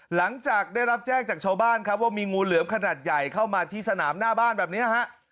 หลังจากได้รับแจ้งจากชาวบ้านครับว่ามีงูเหลือมขนาดใหญ่เข้ามาที่สนามหน้าบ้านแบบนี้ฮะ